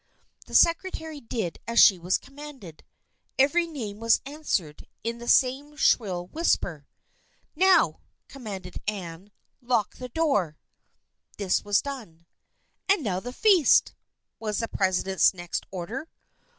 The secretary did as she was commanded. Every name was answered, in the same shrill whisper. " Now," commanded Anne, " lock the door." This was done. " And now the feast !" was the president's next order.